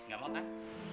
gak mau kan